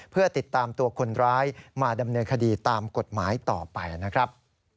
เพื่อติดตามตัวคนร้ายมาดำเนินคดีตามกฎหมายต่อไปนะครับ